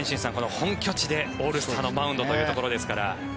本拠地でオールスターのマウンドというところですから。